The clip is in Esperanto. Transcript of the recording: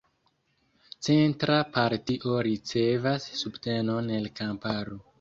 Centra partio ricevas subtenon el kamparo.